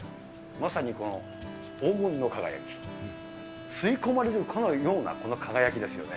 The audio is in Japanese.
まさにこの黄金の輝き、吸い込まれるかのようなこの輝きですよね。